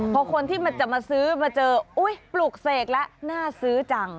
เพราะคนที่จะมาซื้อมาเจอปลุกเสกแล้วน่าซื้อจัง